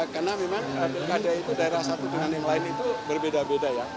karena memang pilkada itu daerah satu dengan yang lain itu berbeda beda ya